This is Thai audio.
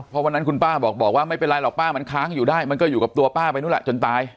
เพราะวันนั้นคุณป้าบอกว่าไม่เป็นไรหรอกป้ามันค้างอยู่ได้มันก็อยู่กับตัวป้าไปนู่นแหละจนตาย